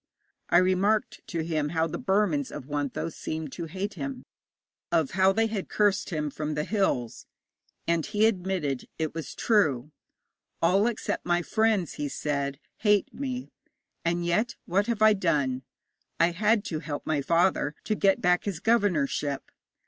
I remarked to him how the Burmans of Wuntho seemed to hate him, of how they had cursed him from the hills, and he admitted that it was true. 'All except my friends,' he said, 'hate me. And yet what have I done? I had to help my father to get back his governorship.